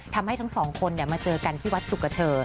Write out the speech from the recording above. ทำให้ทั้งสองคนเนี่ยมาเจอกันที่วัดจุกเฉอ